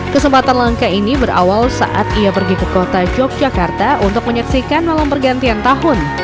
kesempatan langka ini berawal saat ia pergi ke kota yogyakarta untuk menyaksikan malam pergantian tahun